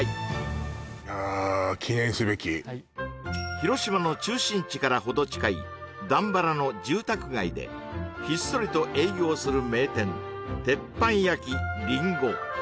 広島の中心地からほど近い段原の住宅街でひっそりと営業する名店鉄板焼きりんご